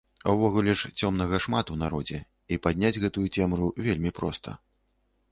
Увогуле ж, цёмнага шмат у народзе, і падняць гэтую цемру вельмі проста.